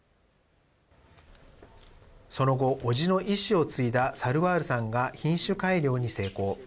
その後、おじの遺志を継いだサルワールさんが品種改良に成功。